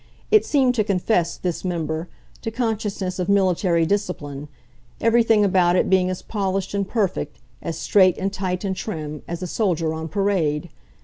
It seemed to confess, this member, to consciousness of military discipline, everything about it being as polished and perfect, as straight and tight and trim, as a soldier on parade.